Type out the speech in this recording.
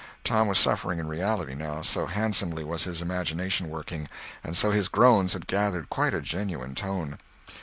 Tom was suffering in reality, now, so handsomely was his imagination working, and so his groans had gathered quite a genuine tone.